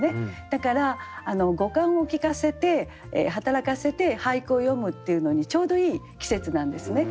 だから五感をきかせて働かせて俳句を詠むっていうのにちょうどいい季節なんですね。